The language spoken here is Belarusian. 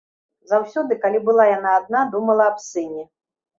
Заўсёды, калі была яна адна, думала аб сыне.